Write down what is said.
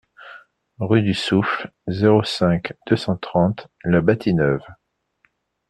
Rue du Souffle, zéro cinq, deux cent trente La Bâtie-Neuve